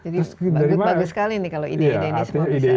bagus sekali nih kalau ide ini semua bisa